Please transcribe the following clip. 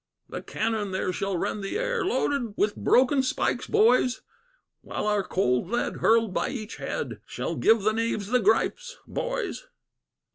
"The cannon there shall rend the air, Loaded with broken spikes, boys; While our cold lead, hurled by each head, Shall give the knaves the gripes, boys.